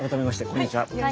こんにちは。